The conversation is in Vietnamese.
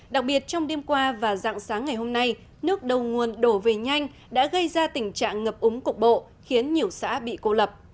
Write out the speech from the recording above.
đặc biệt trong đêm qua và dạng sáng ngày hôm nay nước đầu nguồn đổ về nhanh đã gây ra tình trạng ngập úng cục bộ khiến nhiều xã bị cô lập